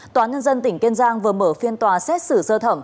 tòa nhân dân tỉnh kiên giang vừa mở phiên tòa xét xử sơ thẩm